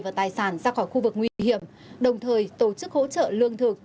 và tài sản ra khỏi khu vực nguy hiểm đồng thời tổ chức hỗ trợ lương thực